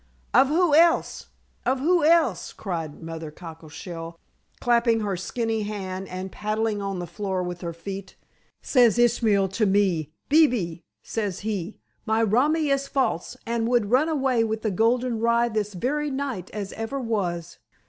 "Of who else? of who else?" cried Mother Cockleshell, clapping her skinny hand and paddling on the floor with her feet. "Says Ishmael to me, 'Bebee,' says he, 'my romi is false and would run away with the golden rye this very night as ever was.'